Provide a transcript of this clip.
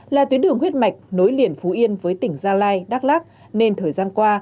là tuyến đường huyết mạch nối liền phú yên với tỉnh gia lai đắk lắc nên thời gian qua